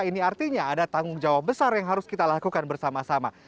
ini artinya ada tanggung jawab besar yang harus kita lakukan bersama sama